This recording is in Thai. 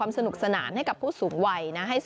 ตามไปดูกันว่าเขามีการแข่งขันอะไรที่เป็นไฮไลท์ที่น่าสนใจกันค่ะ